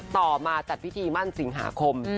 ต่อมาจัดพิธีมั่นสิงหาคม